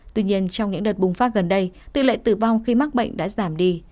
tuy nhiên trong những đợt bùng phát gần đây tỷ lệ tử vong khi mắc bệnh đã giảm đi